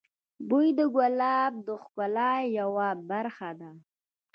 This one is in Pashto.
بوی د ګلاب د ښکلا یوه برخه ده.